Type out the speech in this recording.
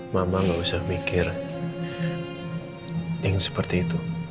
mama gak usah mikir yang seperti itu